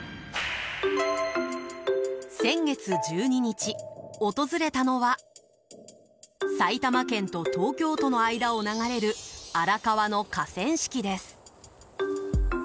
先月１２日、訪れたのは埼玉県と東京都の間を流れる荒川の河川敷です。